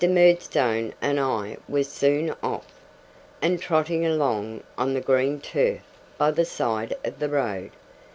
Murdstone and I were soon off, and trotting along on the green turf by the side of the road.